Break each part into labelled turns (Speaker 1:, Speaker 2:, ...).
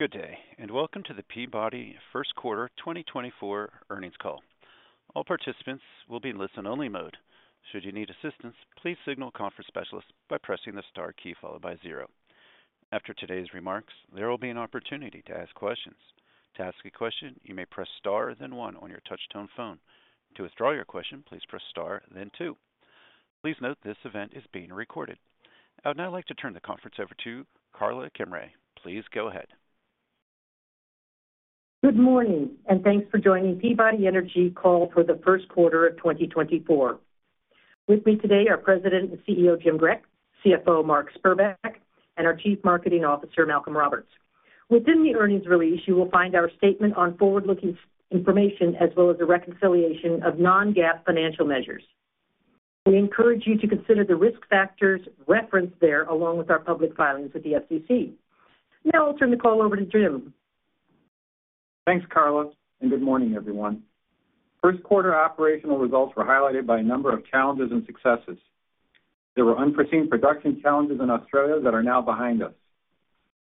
Speaker 1: Good day and welcome to the Peabody Q1 2024 earnings call. All participants will be in listen-only mode. Should you need assistance, please signal Conference Specialist by pressing the star key followed by 0. After today's remarks, there will be an opportunity to ask questions. To ask a question, you may press * then 1 on your touch-tone phone. To withdraw your question, please press * then 2. Please note this event is being recorded. Now I'd like to turn the conference over to Karla Kimrey. Please go ahead.
Speaker 2: Good morning and thanks for joining Peabody Energy call for the Q1 of 2024. With me today are President and CEO Jim Grech, CFO Mark Spurbeck, and our Chief Marketing Officer Malcolm Roberts. Within the earnings release, you will find our statement on forward-looking information as well as a reconciliation of non-GAAP financial measures. We encourage you to consider the risk factors referenced there along with our public filings with the SEC. Now I'll turn the call over to Jim.
Speaker 3: Thanks, Karla, and good morning, everyone. Q1 operational results were highlighted by a number of challenges and successes. There were unforeseen production challenges in Australia that are now behind us,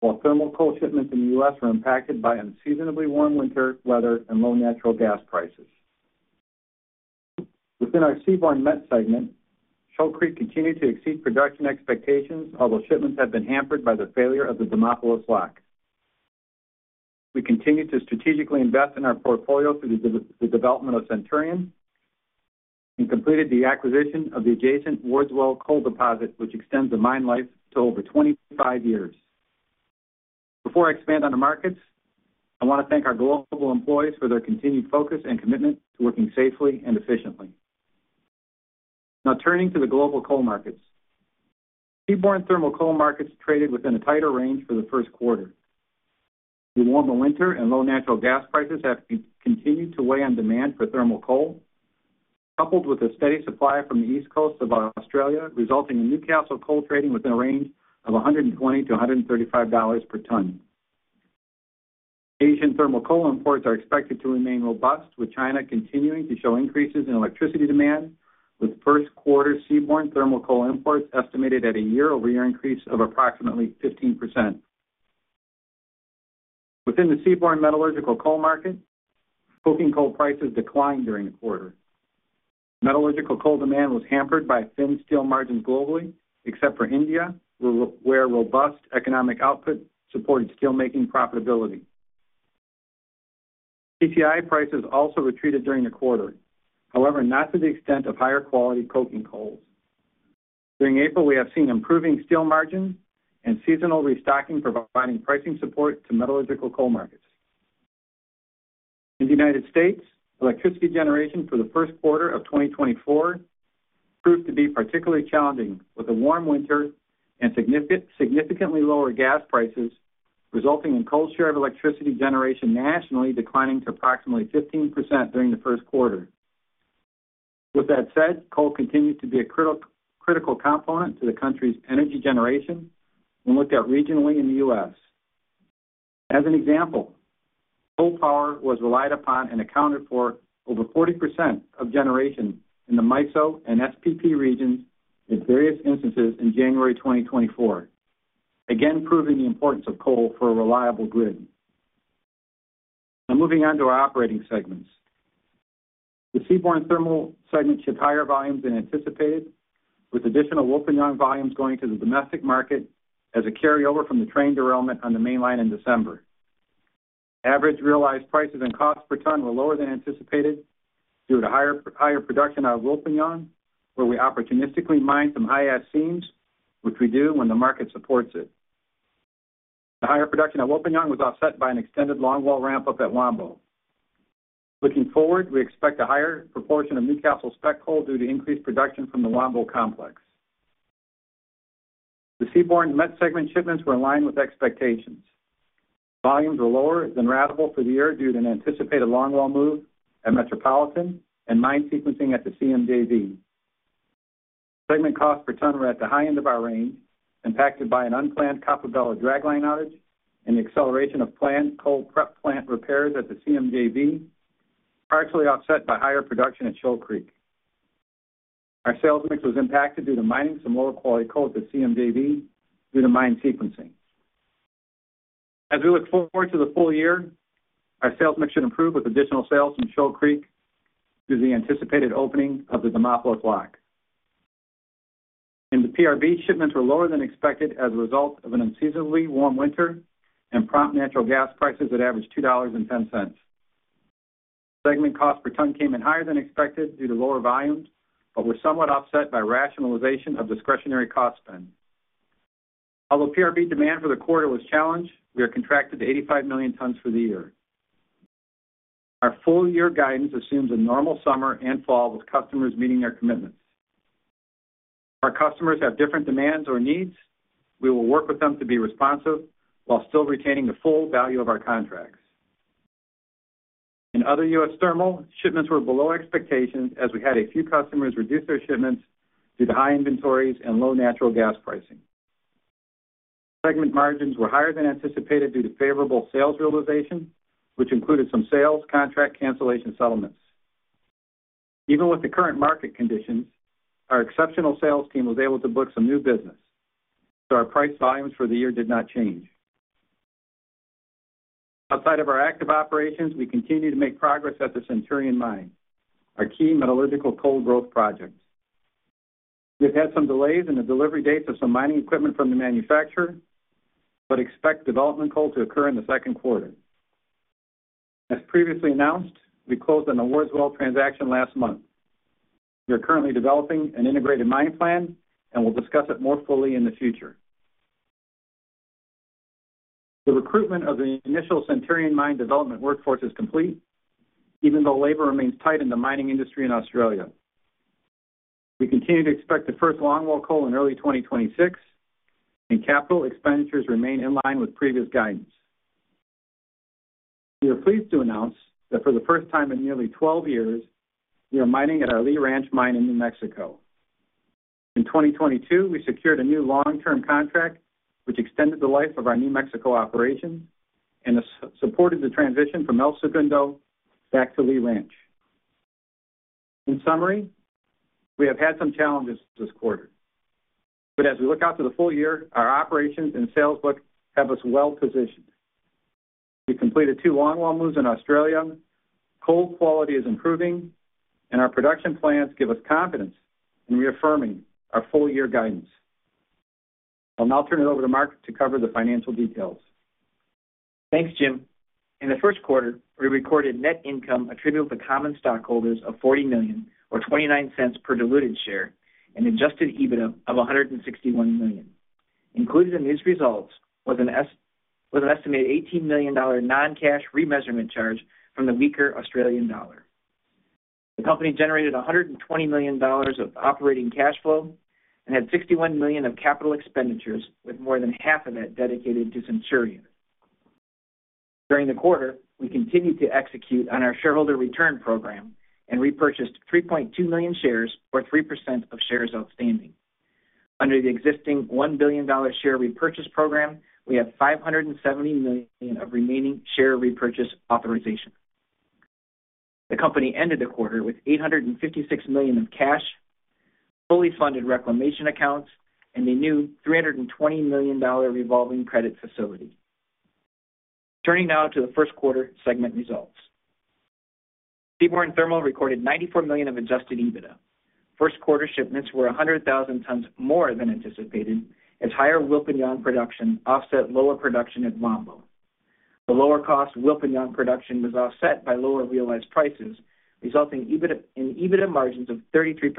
Speaker 3: while thermal coal shipments in the U.S. were impacted by unseasonably warm winter weather and low natural gas prices. Within our Seaborne Met segment, Shoal Creek continued to exceed production expectations, although shipments have been hampered by the failure of the Demopolis Lock. We continued to strategically invest in our portfolio through the development of Centurion and completed the acquisition of the adjacent Wards Well Coal Deposit, which extends the mine life to over 25 years. Before I expand on the markets, I want to thank our global employees for their continued focus and commitment to working safely and efficiently. Now turning to the global coal markets. Seaborne thermal coal markets traded within a tighter range for the Q1. The warmer winter and low natural gas prices have continued to weigh on demand for thermal coal, coupled with a steady supply from the East Coast of Australia, resulting in Newcastle coal trading within a range of $120-$135 per ton. Asian thermal coal imports are expected to remain robust, with China continuing to show increases in electricity demand, with Q1 seaborne thermal coal imports estimated at a year-over-year increase of approximately 15%. Within the seaborne metallurgical coal market, coking coal prices declined during the quarter. Metallurgical coal demand was hampered by thin steel margins globally, except for India, where robust economic output supported steelmaking profitability. PCI prices also retreated during the quarter, however, not to the extent of higher-quality coking coals. During April, we have seen improving steel margins and seasonal restocking providing pricing support to metallurgical coal markets. In the United States, electricity generation for the Q1 of 2024 proved to be particularly challenging, with a warm winter and significantly lower gas prices resulting in coal share of electricity generation nationally declining to approximately 15% during the Q1. With that said, coal continues to be a critical component to the country's energy generation when looked at regionally in the U.S. As an example, coal power was relied upon and accounted for over 40% of generation in the MISO and SPP regions in various instances in January 2024, again proving the importance of coal for a reliable grid. Now moving on to our operating segments. The Seaborne thermal segment shipped higher volumes than anticipated, with additional Wilpinjong volumes going to the domestic market as a carryover from the train derailment on the mainline in December. Average realized prices and costs per ton were lower than anticipated due to higher production of Wilpinjong, where we opportunistically mine some high-ash seams, which we do when the market supports it. The higher production of Wilpinjong was offset by an extended longwall ramp-up at Wambo. Looking forward, we expect a higher proportion of Newcastle spec coal due to increased production from the Wambo complex. The Seaborne Met segment shipments were in line with expectations. Volumes were lower than ratable for the year due to an anticipated longwall move at Metropolitan and mine sequencing at the CMJV. Segment costs per ton were at the high end of our range, impacted by an unplanned Capella dragline outage and the acceleration of planned coal prep plant repairs at the CMJV, partially offset by higher production at Shoal Creek. Our sales mix was impacted due to mining some lower-quality coal at the CMJV due to mine sequencing. As we look forward to the full year, our sales mix should improve with additional sales from Shoal Creek through the anticipated opening of the Demopolis Lock. In the PRB, shipments were lower than expected as a result of an unseasonably warm winter and prompt natural gas prices that averaged $2.10. Segment costs per ton came in higher than expected due to lower volumes but were somewhat offset by rationalization of discretionary cost spend. Although PRB demand for the quarter was challenged, we are contracted to 85 million tons for the year. Our full-year guidance assumes a normal summer and fall with customers meeting their commitments. Our customers have different demands or needs. We will work with them to be responsive while still retaining the full value of our contracts. In other U.S. thermal, shipments were below expectations as we had a few customers reduce their shipments due to high inventories and low natural gas pricing. Segment margins were higher than anticipated due to favorable sales realization, which included some sales, contract cancellation, and settlements. Even with the current market conditions, our exceptional sales team was able to book some new business, so our price volumes for the year did not change. Outside of our active operations, we continue to make progress at the Centurion Mine, our key metallurgical coal growth project. We have had some delays in the delivery dates of some mining equipment from the manufacturer but expect development coal to occur in the Q2. As previously announced, we closed a Wards Well transaction last month. We are currently developing an integrated mine plan and will discuss it more fully in the future. The recruitment of the initial Centurion Mine development workforce is complete, even though labor remains tight in the mining industry in Australia. We continue to expect the first longwall coal in early 2026, and capital expenditures remain in line with previous guidance. We are pleased to announce that for the first time in nearly 12 years, we are mining at our Lee Ranch Mine in New Mexico. In 2022, we secured a new long-term contract, which extended the life of our New Mexico operations and supported the transition from El Segundo back to Lee Ranch. In summary, we have had some challenges this quarter, but as we look out to the full year, our operations and sales book have us well positioned. We completed two longwall moves in Australia. Coal quality is improving, and our production plans give us confidence in reaffirming our full-year guidance. I'll now turn it over to Mark to cover the financial details.
Speaker 4: Thanks, Jim. In the Q1, we recorded net income attributable to common stockholders of $40 million or $0.29 per diluted share and Adjusted EBITDA of $161 million. Included in these results was an estimated $18 million non-cash remeasurement charge from the weaker Australian dollar. The company generated $120 million of operating cash flow and had $61 million of capital expenditures, with more than half of that dedicated to Centurion. During the quarter, we continued to execute on our shareholder return program and repurchased 3.2 million shares or 3% of shares outstanding. Under the existing $1 billion share repurchase program, we have $570 million of remaining share repurchase authorization. The company ended the quarter with $856 million of cash, fully funded reclamation accounts, and a new $320 million revolving credit facility. Turning now to the Q1 segment results. Seaborne Thermal recorded $94 million of Adjusted EBITDA. Q1 shipments were 100,000 tons more than anticipated as higher Wilpinjong production offset lower production at Wambo. The lower-cost Wilpinjong production was offset by lower realized prices, resulting in EBITDA margins of 33%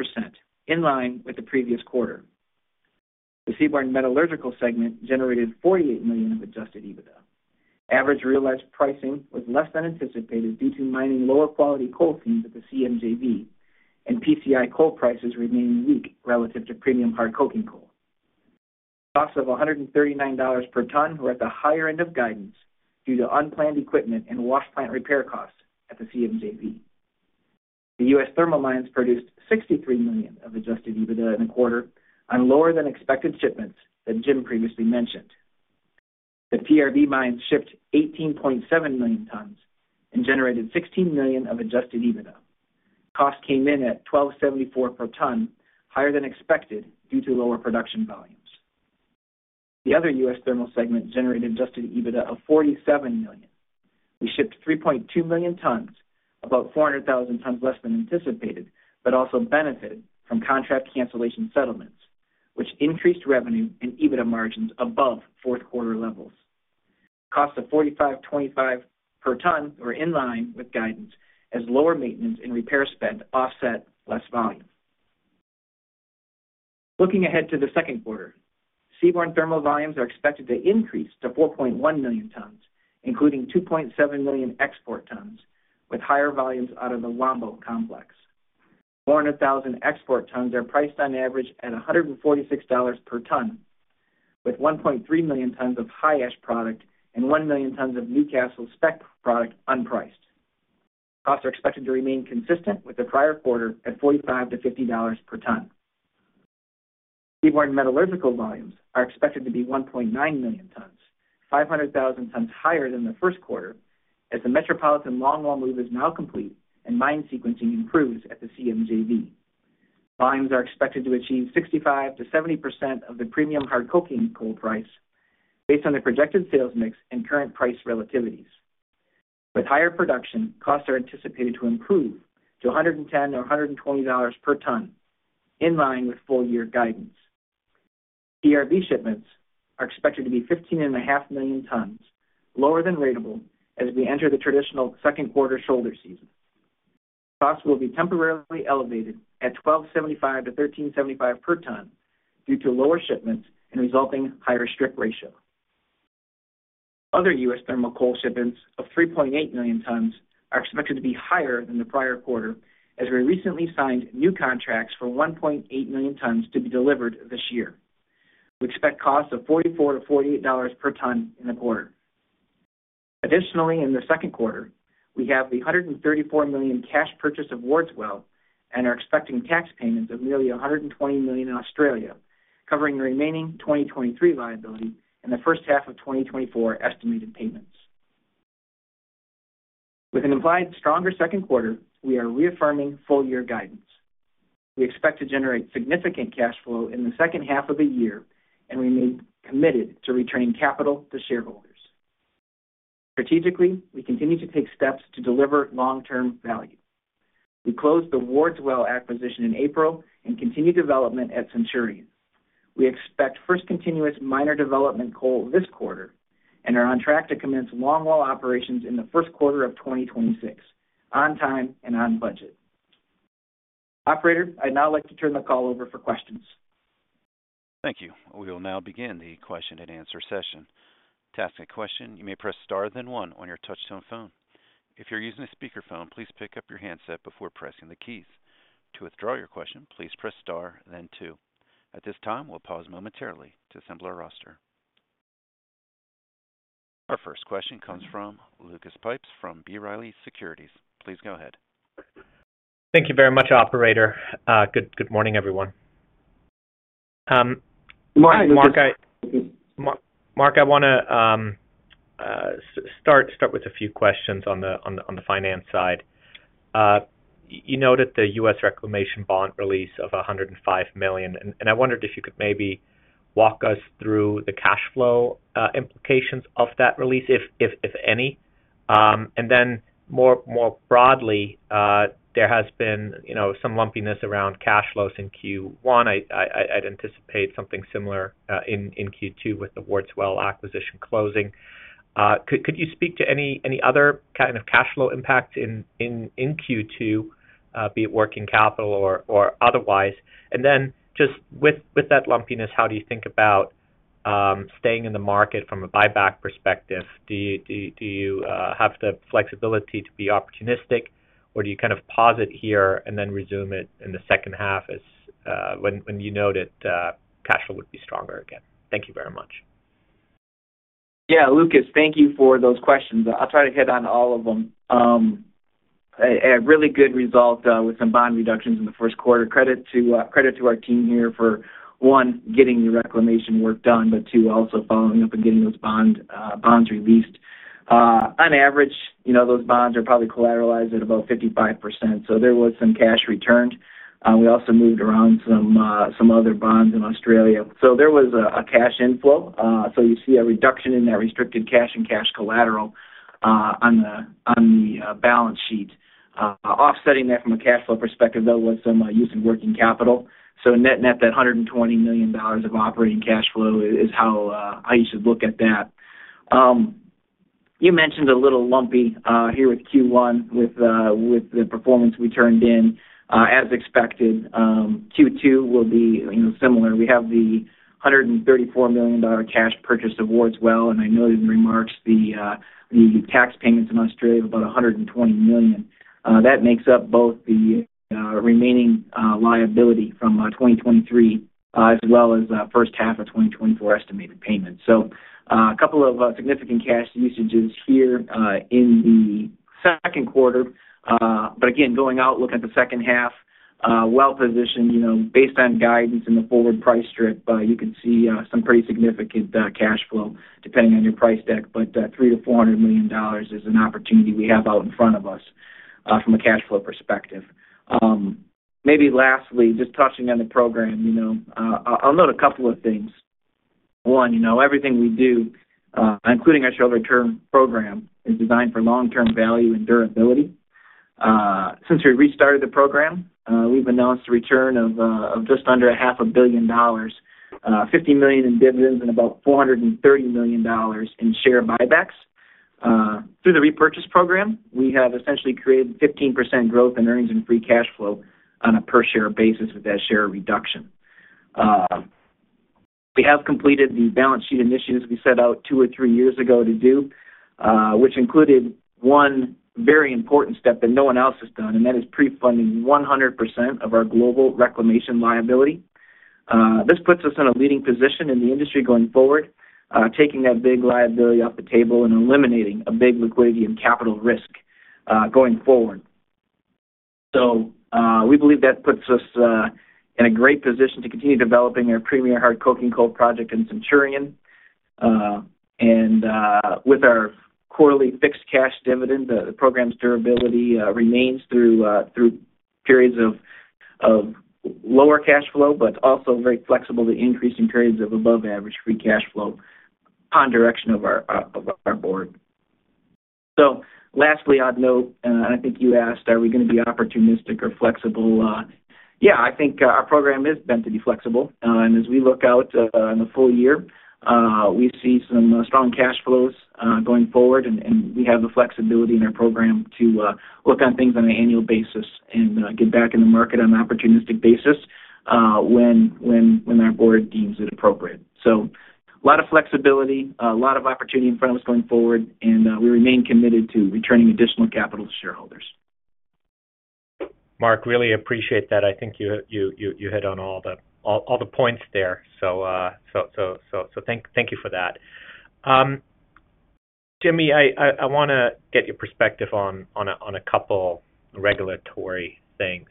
Speaker 4: in line with the previous quarter. The seaborne metallurgical segment generated $48 million of adjusted EBITDA. Average realized pricing was less than anticipated due to mining lower-quality coal seams at the CMJV, and PCI coal prices remained weak relative to premium hard coking coal. Costs of $139 per ton were at the higher end of guidance due to unplanned equipment and wash plant repair costs at the CMJV. The U.S. thermal mines produced $63 million of adjusted EBITDA in a quarter on lower-than-expected shipments that Jim previously mentioned. The PRB mines shipped 18.7 million tons and generated $16 million of adjusted EBITDA. Costs came in at $1,274 per ton, higher than expected due to lower production volumes. The other U.S. thermal segment generated Adjusted EBITDA of $47 million. We shipped 3.2 million tons, about 400,000 tons less than anticipated, but also benefited from contract cancellation settlements, which increased revenue and EBITDA margins above Q4 levels. Costs of $45.25 per ton were in line with guidance as lower maintenance and repair spend offset less volume. Looking ahead to the Q2, seaborne thermal volumes are expected to increase to 4.1 million tons, including 2.7 million export tons with higher volumes out of the Wambo complex. 400,000 export tons are priced on average at $146 per ton, with 1.3 million tons of high-ash product and 1 million tons of Newcastle spec product unpriced. Costs are expected to remain consistent with the prior quarter at $45-$50 per ton. Seaborne metallurgical volumes are expected to be 1.9 million tons, 500,000 tons higher than the Q1 as the Metropolitan longwall move is now complete and mine sequencing improves at the CMJV. Mines are expected to achieve 65%-70% of the premium hard coking coal price based on the projected sales mix and current price relativities. With higher production, costs are anticipated to improve to $110-$120 per ton, in line with full-year guidance. PRB shipments are expected to be 15.5 million tons, lower than ratable as we enter the traditional Q2 shoulder season. Costs will be temporarily elevated at $1,275-$1,375 per ton due to lower shipments and resulting higher strip ratio. Other U.S. Thermal coal shipments of 3.8 million tons are expected to be higher than the prior quarter as we recently signed new contracts for 1.8 million tons to be delivered this year. We expect costs of $44-$48 per ton in a quarter. Additionally, in the Q2, we have the $134 million cash purchase of Wards Well and are expecting tax payments of nearly $120 million in Australia, covering the remaining 2023 liability and the first half of 2024 estimated payments. With an implied stronger Q2, we are reaffirming full-year guidance. We expect to generate significant cash flow in the second half of the year, and we have committed to returning capital to shareholders. Strategically, we continue to take steps to deliver long-term value. We closed the Wards Well acquisition in April and continued development at Centurion. We expect first continuous miner development coal this quarter and are on track to commence longwall operations in the Q1 of 2026 on time and on budget. Operator, I'd now like to turn the call over for questions.
Speaker 1: Thank you. We will now begin the question and answer session. To ask a question, you may press star then one on your touch-tone phone. If you're using a speakerphone, please pick up your handset before pressing the keys. To withdraw your question, please press star then two. At this time, we'll pause momentarily to assemble our roster. Our first question comes from Lucas Pipes from B. Riley Securities. Please go ahead.
Speaker 5: Thank you very much, Operator. Good morning, everyone.
Speaker 4: Good morning, Lucas.
Speaker 5: Mark, I want to start with a few questions on the finance side. You noted the U.S. reclamation bond release of $105 million, and I wondered if you could maybe walk us through the cash flow implications of that release, if any. And then more broadly, there has been some lumpiness around cash flows in Q1. I'd anticipate something similar in Q2 with the Wards Well acquisition closing. Could you speak to any other kind of cash flow impacts in Q2, be it working capital or otherwise? And then just with that lumpiness, how do you think about staying in the market from a buyback perspective? Do you have the flexibility to be opportunistic, or do you kind of pause it here and then resume it in the second half when you note that cash flow would be stronger again? Thank you very much.
Speaker 4: Yeah, Lucas, thank you for those questions. I'll try to hit on all of them. A really good result with some bond reductions in the Q1. Credit to our team here for, one, getting the reclamation work done, but two, also following up and getting those bonds released. On average, those bonds are probably collateralized at about 55%, so there was some cash returned. We also moved around some other bonds in Australia, so there was a cash inflow. So you see a reduction in that restricted cash and cash collateral on the balance sheet. Offsetting that from a cash flow perspective, though, was some use of working capital. So net-net that $120 million of operating cash flow is how you should look at that. You mentioned a little lumpy here with Q1 with the performance we turned in. As expected, Q2 will be similar. We have the $134 million cash purchase of Wards Well, and I noted in remarks the tax payments in Australia of about $120 million. That makes up both the remaining liability from 2023 as well as first half of 2024 estimated payments. So a couple of significant cash usages here in the Q2. But again, going out, look at the second half, well positioned. Based on guidance and the forward price strip, you could see some pretty significant cash flow depending on your price deck, but $300 million-$400 million is an opportunity we have out in front of us from a cash flow perspective. Maybe lastly, just touching on the program, I'll note a couple of things. One, everything we do, including our shareholder return program, is designed for long-term value and durability. Since we restarted the program, we've announced the return of just under $500 million, $50 million in dividends, and about $430 million in share buybacks. Through the repurchase program, we have essentially created 15% growth in earnings and free cash flow on a per-share basis with that share reduction. We have completed the balance sheet initiatives we set out two or three years ago to do, which included, one, very important step that no one else has done, and that is pre-funding 100% of our global reclamation liability. This puts us in a leading position in the industry going forward, taking that big liability off the table and eliminating a big liquidity and capital risk going forward. So we believe that puts us in a great position to continue developing our premier hard coking coal project in Centurion. And with our quarterly fixed cash dividend, the program's durability remains through periods of lower cash flow but also very flexible to increasing periods of above-average free cash flow on direction of our board. So lastly, I'd note, and I think you asked, are we going to be opportunistic or flexible? Yeah, I think our program is meant to be flexible. And as we look out on the full year, we see some strong cash flows going forward, and we have the flexibility in our program to look on things on an annual basis and get back in the market on an opportunistic basis when our board deems it appropriate. So a lot of flexibility, a lot of opportunity in front of us going forward, and we remain committed to returning additional capital to shareholders.
Speaker 5: Mark, really appreciate that. I think you hit on all the points there, so thank you for that. Jimmy, I want to get your perspective on a couple regulatory things.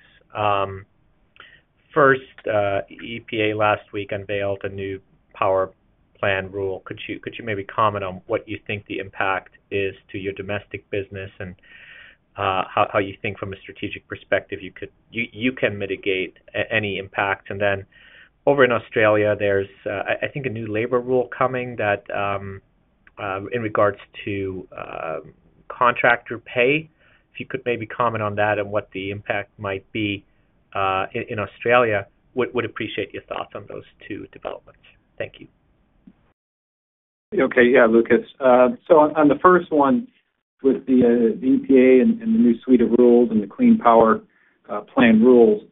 Speaker 5: First, EPA last week unveiled a new power plan rule. Could you maybe comment on what you think the impact is to your domestic business and how you think from a strategic perspective you can mitigate any impacts? And then over in Australia, there's, I think, a new labor rule coming in regards to contractor pay. If you could maybe comment on that and what the impact might be in Australia, would appreciate your thoughts on those two developments. Thank you.
Speaker 3: Okay, yeah, Lucas. So on the first one with the EPA and the new suite of rules and the Clean Power Plan rules,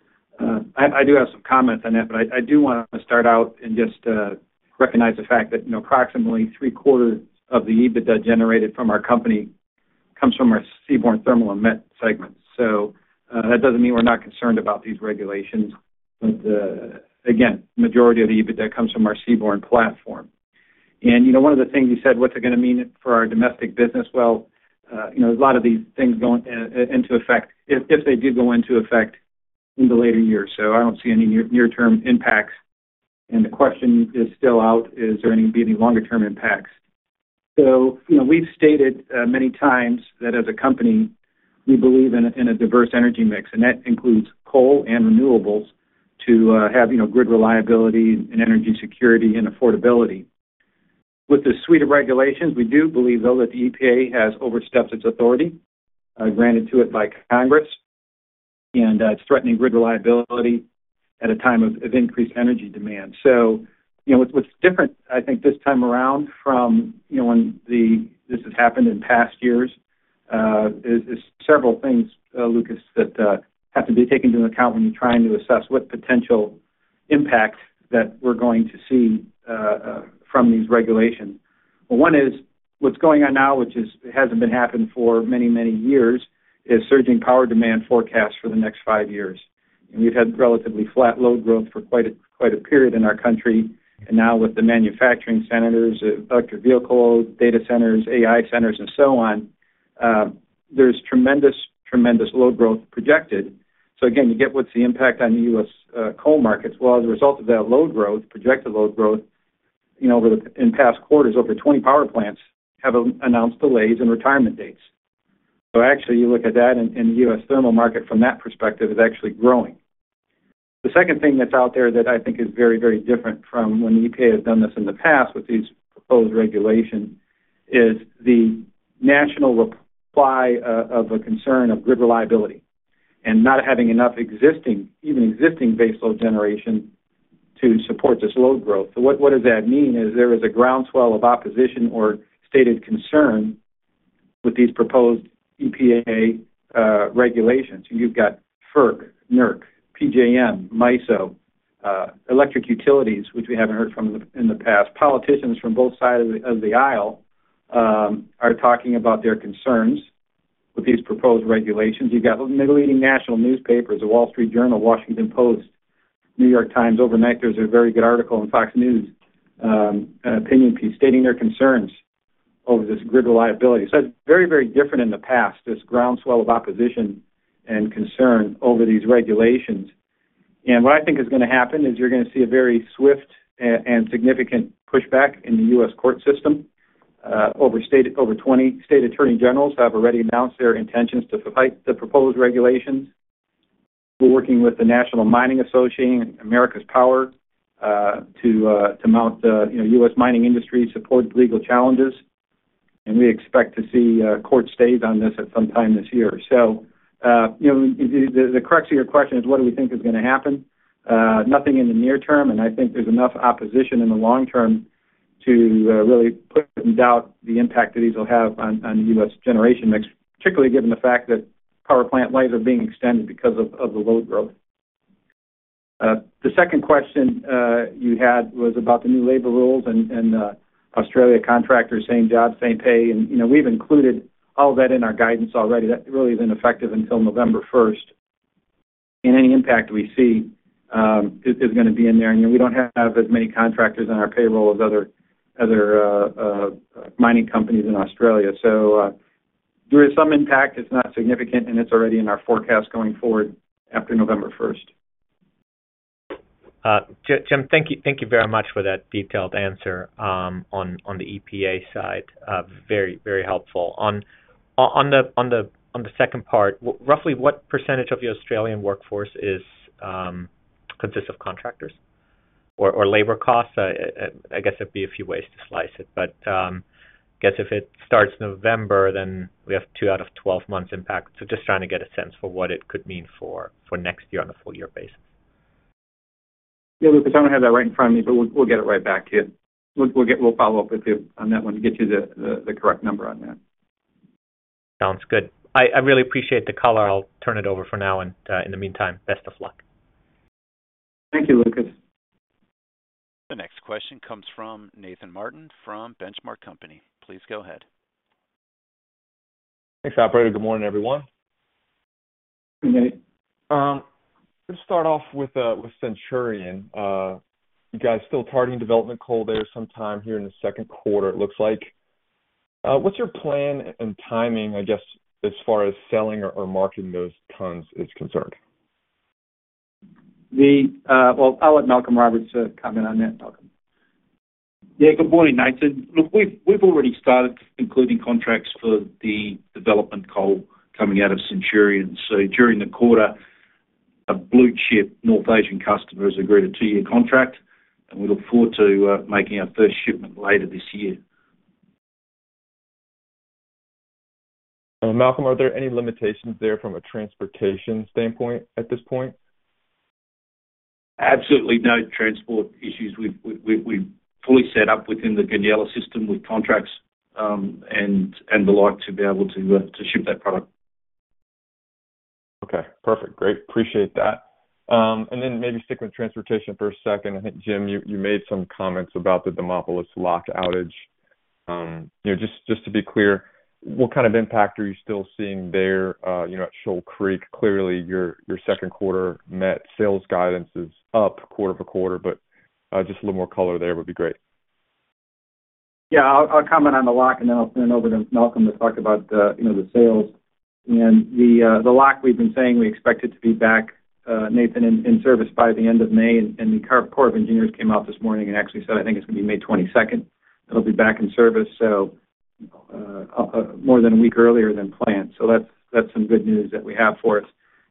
Speaker 3: I do have some comments on that, but I do want to start out and just recognize the fact that approximately three-quarters of the EBITDA generated from our company comes from our Seaborne Thermal and Met segment. So that doesn't mean we're not concerned about these regulations, but again, the majority of the EBITDA comes from our Seaborne platform. And one of the things you said, what's it going to mean for our domestic business? Well, a lot of these things go into effect if they do go into effect in the later years. So I don't see any near-term impacts. And the question is still out, is there going to be any longer-term impacts? So we've stated many times that as a company, we believe in a diverse energy mix, and that includes coal and renewables to have grid reliability and energy security and affordability. With this suite of regulations, we do believe, though, that the EPA has overstepped its authority, granted to it by Congress, and it's threatening grid reliability at a time of increased energy demand. So what's different, I think, this time around from when this has happened in past years is several things, Lucas, that have to be taken into account when you're trying to assess what potential impact that we're going to see from these regulations. Well, one is what's going on now, which hasn't been happening for many, many years, is surging power demand forecasts for the next five years. We've had relatively flat load growth for quite a period in our country. Now with the manufacturing centers, electric vehicle data centers, AI centers, and so on, there's tremendous, tremendous load growth projected. So again, you get what's the impact on the U.S. coal markets. Well, as a result of that load growth, projected load growth, in past quarters, over 20 power plants have announced delays in retirement dates. So actually, you look at that, and the U.S. thermal market from that perspective is actually growing. The second thing that's out there that I think is very, very different from when the EPA has done this in the past with these proposed regulations is the national outcry of a concern of grid reliability and not having enough even existing base load generation to support this load growth. So what does that mean? Is there a groundswell of opposition or stated concern with these proposed EPA regulations? You've got FERC, NERC, PJM, MISO, electric utilities, which we haven't heard from in the past. Politicians from both sides of the aisle are talking about their concerns with these proposed regulations. You've got the leading national newspapers, The Wall Street Journal, Washington Post, New York Times. Overnight, there's a very good article in Fox News opinion piece stating their concerns over this grid reliability. So that's very, very different in the past, this groundswell of opposition and concern over these regulations. And what I think is going to happen is you're going to see a very swift and significant pushback in the U.S. court system. Over 20 state attorneys general have already announced their intentions to fight the proposed regulations. We're working with the National Mining Association and America's Power to mount U.S. mining industry support legal challenges. We expect to see court stays on this at some time this year. So the crux of your question is what do we think is going to happen? Nothing in the near term, and I think there's enough opposition in the long term to really put in doubt the impact that these will have on the U.S. generation mix, particularly given the fact that power plant lives are being extended because of the load growth. The second question you had was about the new labor rules and Australian contractors, same jobs, same pay. We've included all of that in our guidance already. That really isn't effective until November 1st. Any impact we see is going to be in there. We don't have as many contractors on our payroll as other mining companies in Australia. So there is some impact. It's not significant, and it's already in our forecast going forward after November 1st.
Speaker 5: Jim, thank you very much for that detailed answer on the EPA side. Very, very helpful. On the second part, roughly what percentage of the Australian workforce consists of contractors or labor costs? I guess there'd be a few ways to slice it, but I guess if it starts November, then we have 2 out of 12 months impact. So just trying to get a sense for what it could mean for next year on a full-year basis.
Speaker 3: Yeah, Lucas, I don't have that right in front of me, but we'll get it right back to you. We'll follow up with you on that one, get you the correct number on that.
Speaker 5: Sounds good. I really appreciate the call. I'll turn it over for now, and in the meantime, best of luck.
Speaker 3: Thank you, Lucas.
Speaker 1: The next question comes from Nathan Martin from Benchmark Company. Please go ahead.
Speaker 6: Thanks, operator. Good morning, everyone.
Speaker 3: Good morning, Nathan.
Speaker 6: Good to start off with Centurion. You guys still targeting development coal there sometime here in the Q2, it looks like. What's your plan and timing, I guess, as far as selling or marketing those tons is concerned?
Speaker 3: Well, I'll let Malcolm Roberts comment on that, Malcolm.
Speaker 7: Yeah, good morning, Nathan. Look, we've already started concluding contracts for the development coal coming out of Centurion. During the quarter, a blue chip North Asian customer has agreed a two-year contract, and we look forward to making our first shipment later this year.
Speaker 6: Malcolm, are there any limitations there from a transportation standpoint at this point?
Speaker 7: Absolutely no transport issues. We're fully set up within the Goonyella system with contracts and the like to be able to ship that product.
Speaker 6: Okay, perfect. Great. Appreciate that. Then maybe stick with transportation for a second. I think, Jim, you made some comments about the Demopolis Lock outage. Just to be clear, what kind of impact are you still seeing there at Shoal Creek? Clearly, your Q2 met sales guidances up quarter-over-quarter, but just a little more color there would be great.
Speaker 3: Yeah, I'll comment on the lock, and then I'll turn it over to Malcolm to talk about the sales. The lock, we've been saying we expect it to be back, Nathan, in service by the end of May. The Corps of Engineers came out this morning and actually said, "I think it's going to be May 22nd. It'll be back in service," so more than a week earlier than planned. So that's some good news that we have for us.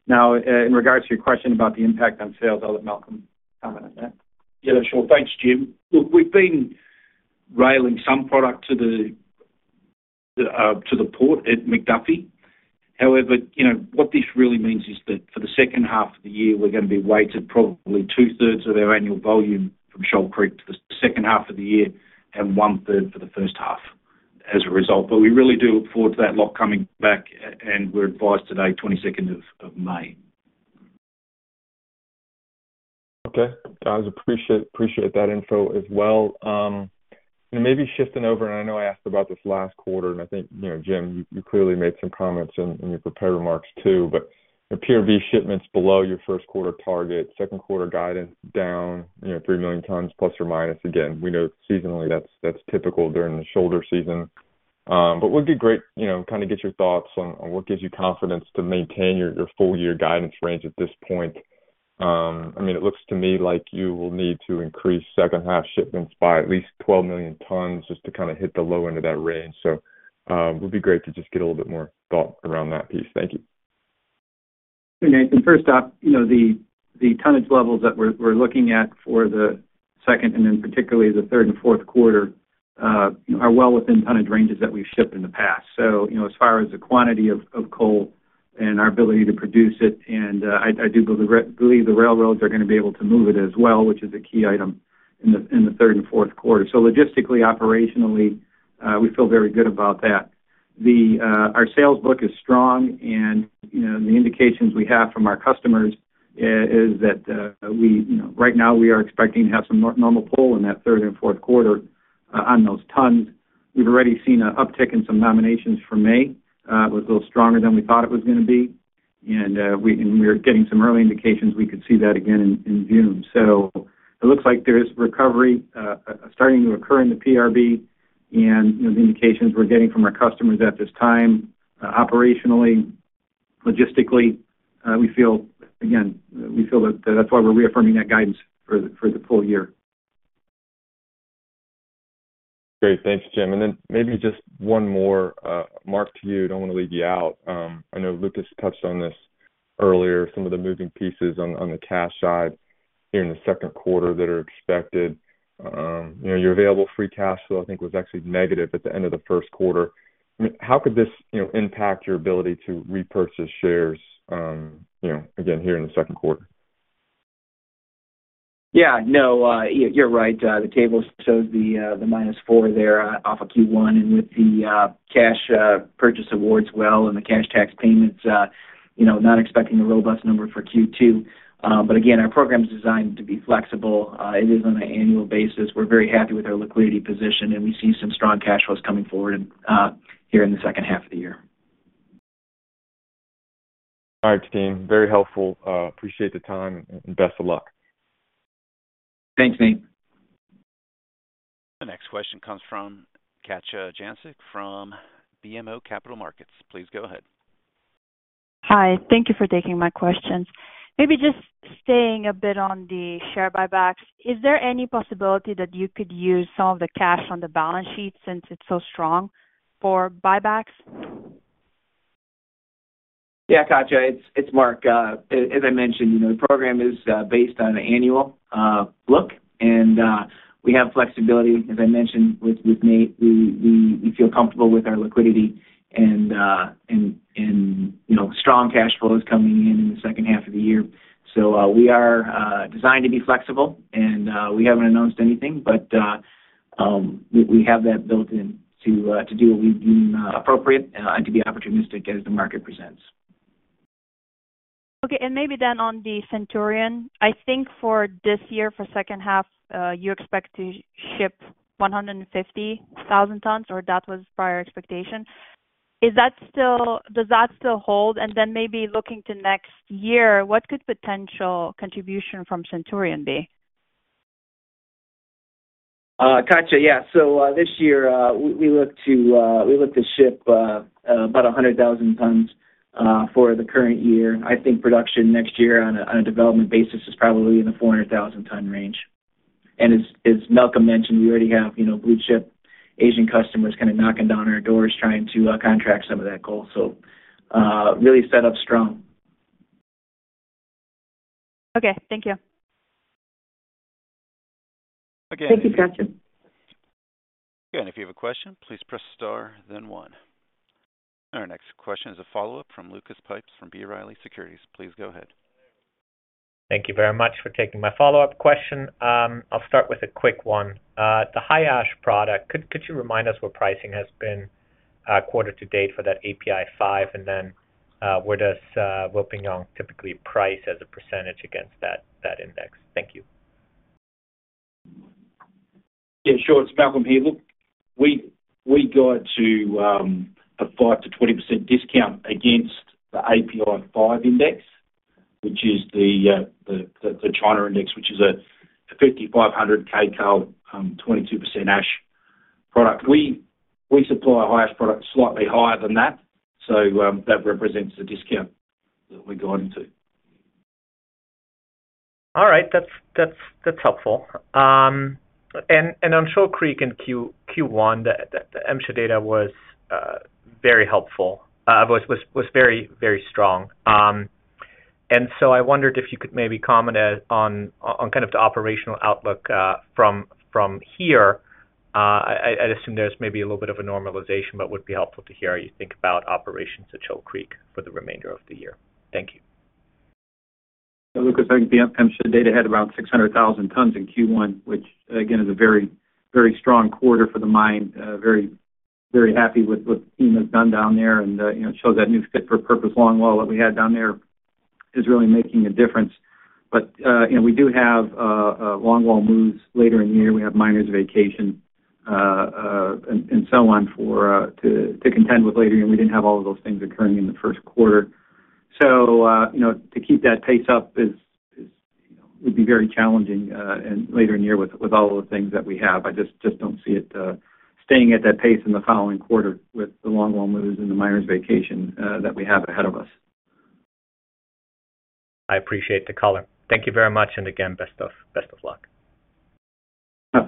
Speaker 3: Now, in regards to your question about the impact on sales, I'll let Malcolm comment on that.
Speaker 7: Yeah, sure. Thanks, Jim. Look, we've been railing some product to the port at McDuffie. However, what this really means is that for the second half of the year, we're going to be weighted probably two-thirds of our annual volume from Shoal Creek to the second half of the year and one-third for the first half as a result. But we really do look forward to that lock coming back, and we're advised today, 22nd of May.
Speaker 6: Okay. Guys, appreciate that info as well. Maybe shifting over, and I know I asked about this last quarter, and I think, Jim, you clearly made some comments in your prepared remarks too, but PRB shipments below your first-quarter target, second-quarter guidance down 3 million tons plus or minus. Again, we know seasonally that's typical during the shoulder season. But it would be great to kind of get your thoughts on what gives you confidence to maintain your full-year guidance range at this point. I mean, it looks to me like you will need to increase second-half shipments by at least 12 million tons just to kind of hit the low end of that range. So it would be great to just get a little bit more thought around that piece. Thank you.
Speaker 3: Sure, Nathan. First off, the tonnage levels that we're looking at for the second and then particularly the third and Q4 are well within tonnage ranges that we've shipped in the past. So as far as the quantity of coal and our ability to produce it, and I do believe the railroads are going to be able to move it as well, which is a key item in the third and Q4. So logistically, operationally, we feel very good about that. Our sales book is strong, and the indications we have from our customers is that right now, we are expecting to have some normal pull in that third and Q4 on those tons. We've already seen an uptick in some nominations for May. It was a little stronger than we thought it was going to be, and we're getting some early indications we could see that again in June. So it looks like there is recovery starting to occur in the PRB, and the indications we're getting from our customers at this time, operationally, logistically, again, we feel that that's why we're reaffirming that guidance for the full year.
Speaker 6: Great. Thanks, Jim. And then maybe just one more, Mark, to you. I don't want to leave you out. I know Lucas touched on this earlier, some of the moving pieces on the cash side here in the Q2 that are expected. Your available free cash flow, I think, was actually negative at the end of the Q1. I mean, how could this impact your ability to repurchase shares, again, here in the Q2?
Speaker 8: Yeah, no, you're right. The table shows the -4 there off of Q1. And with the cash purchase of Wards Well and the cash tax payments, not expecting a robust number for Q2. But again, our program is designed to be flexible. It is on an annual basis. We're very happy with our liquidity position, and we see some strong cash flows coming forward here in the second half of the year.
Speaker 6: All right, team. Very helpful. Appreciate the time, and best of luck.
Speaker 7: Thanks, Nathan.
Speaker 1: The next question comes from Katja Jancic from BMO Capital Markets. Please go ahead.
Speaker 9: Hi. Thank you for taking my questions. Maybe just staying a bit on the share buybacks, is there any possibility that you could use some of the cash on the balance sheet since it's so strong for buybacks?
Speaker 4: Yeah, Katja. It's Mark. As I mentioned, the program is based on an annual look, and we have flexibility. As I mentioned with Nathan, we feel comfortable with our liquidity and strong cash flows coming in in the second half of the year. So we are designed to be flexible, and we haven't announced anything, but we have that built in to do what we deem appropriate and to be opportunistic as the market presents.
Speaker 9: Okay. And maybe then on the Centurion, I think for this year, for second half, you expect to ship 150,000 tons, or that was prior expectation. Does that still hold? And then maybe looking to next year, what could potential contribution from Centurion be?
Speaker 4: Katja, yeah. So this year, we look to ship about 100,000 tons for the current year. I think production next year on a development basis is probably in the 400,000-ton range. And as Malcolm mentioned, we already have blue chip Asian customers kind of knocking down our doors trying to contract some of that coal. So really set up strong.
Speaker 9: Okay. Thank you.
Speaker 4: Again.
Speaker 2: Thank you, Katja.
Speaker 1: Good. And if you have a question, please press star, then one. Our next question is a follow-up from Lucas Pipes from B. Riley Securities. Please go ahead.
Speaker 5: Thank you very much for taking my follow-up question. I'll start with a quick one. The high-ash product, could you remind us what pricing has been quarter to date for that API 5, and then where does Wilpinjong typically price as a percentage against that index? Thank you.
Speaker 7: In short, it's Malcolm Roberts. We got a 5%-20% discount against the API 5 index, which is the China index, which is a 5,500-kcal, 22% ash product. We supply high-ash products slightly higher than that, so that represents the discount that we got into.
Speaker 5: All right. That's helpful. And on Shoal Creek in Q1, the MSHA data was very helpful, was very, very strong. And so I wondered if you could maybe comment on kind of the operational outlook from here. I'd assume there's maybe a little bit of a normalization, but it would be helpful to hear how you think about operations at Shoal Creek for the remainder of the year. Thank you.
Speaker 7: Yeah, Lucas, I think the MSHA data had around 600,000 tons in Q1, which, again, is a very, very strong quarter for the mine. Very happy with what the team has done down there, and it shows that new fit for purpose longwall that we had down there is really making a difference. But we do have longwall moves later in the year. We have miners' vacation and so on to contend with later, and we didn't have all of those things occurring in the Q1. So to keep that pace up would be very challenging later in year with all of the things that we have. I just don't see it staying at that pace in the following quarter with the longwall moves and the miners' vacation that we have ahead of us.
Speaker 5: I appreciate the color. Thank you very much, and again, best of luck.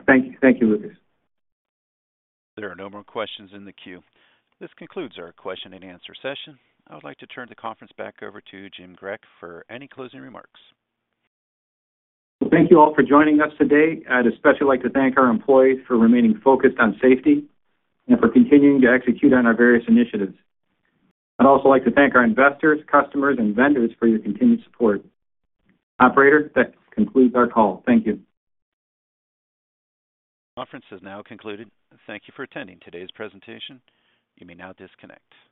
Speaker 7: Thank you, Lucas.
Speaker 1: There are no more questions in the queue. This concludes our question-and-answer session. I would like to turn the conference back over to Jim Grech for any closing remarks.
Speaker 3: Well, thank you all for joining us today. I'd especially like to thank our employees for remaining focused on safety and for continuing to execute on our various initiatives. I'd also like to thank our investors, customers, and vendors for your continued support. Operator, that concludes our call. Thank you.
Speaker 1: Conference has now concluded. Thank you for attending today's presentation. You may now disconnect.